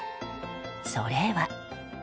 それは。